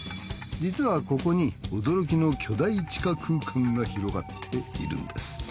実はここに驚きの巨大地下空間が広がっているんです。